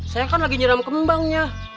saya kan lagi nyeram kembangnya